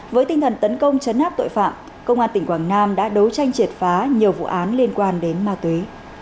với tinh thần tấn công chấn áp tội phạm công an tỉnh quảng nam đã đấu tranh triệt phá nhiều vụ án liên quan đến ma túy